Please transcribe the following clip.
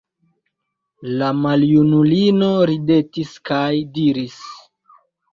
La maljunulino ridetis kaj diris: